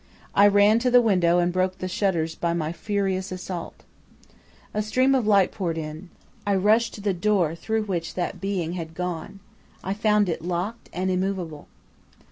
I ran to the window and broke the shutters by my furious assault. "A stream of light poured in. I rushed to the door through which that being had gone. I found it locked and immovable.